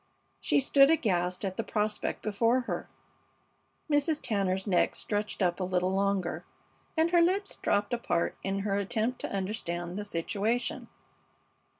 She stood aghast at the prospect before her. Mrs. Tanner's neck stretched up a little longer, and her lips dropped apart in her attempt to understand the situation.